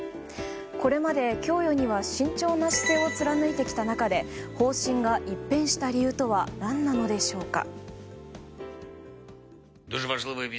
これまで供与には慎重な姿勢を貫いてきた中で方針が一変した理由とは何なのでしょうか？